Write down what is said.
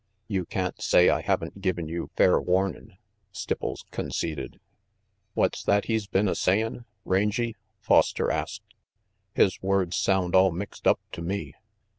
You can't say I haven't given you fair warnin'," Stipples conceded. "What's that he's been a sayin', Rangy?" Foster asked. "His words sound all mixed up to me."